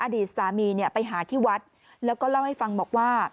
อดีตสามีเนี่ยไปหาที่วัดแล้วก็เล่าให้ฟังบอกว่า